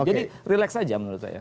jadi relax aja menurut saya